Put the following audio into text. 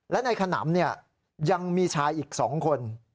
และในขนำยังมีชายอีก๒คน